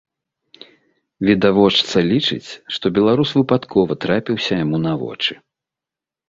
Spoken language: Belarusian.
Відавочца лічыць, што беларус выпадкова трапіўся яму на вочы.